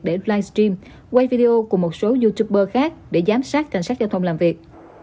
để livestream quay video cùng một số youtuber khác để giám sát cảnh sát giao thông làm việc